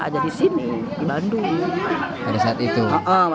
dan menangkap bill durham juga menggunakannya